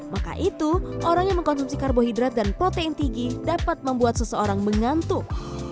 maka itu orang yang mengkonsumsi karbohidrat dan protein tinggi dapat membuat seseorang mengantuk